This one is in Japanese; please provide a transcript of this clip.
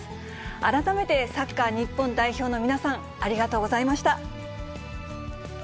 改めてサッカー日本代表の皆さん、ありがとうございました。